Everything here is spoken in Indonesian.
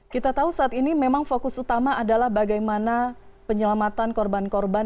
kita tahu saat ini memang fokus utama adalah bagaimana penyelamatan korban korban